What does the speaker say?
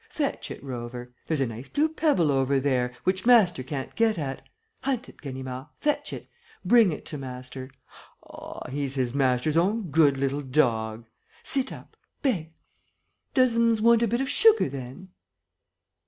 Fetch it, Rover!... There's a nice blue pebble over there, which master can't get at. Hunt it, Ganimard, fetch it ... bring it to master.... Ah, he's his master's own good little dog!... Sit up! Beg!... Does'ms want a bit of sugar, then?..."